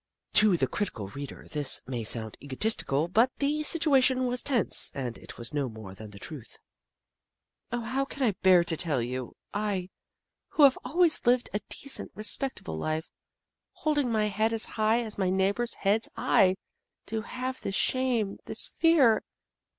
To the critical reader this may sound egotistical, but the situation was tense, and it was no more than the truth. " Oh, how can I bear to tell you ! I, who have always lived a decent, respectable life, holding my head as high as my neighbours' heads, I, to have this shame, this fear